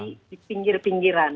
ini orang orang yang memiliki pinggiran